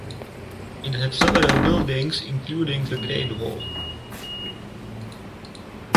It had several buildings, including the great hall.